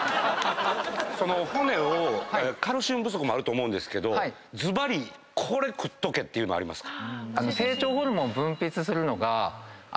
その骨をカルシウム不足もあると思うんですけどずばりこれ食っとけっていうのありますか？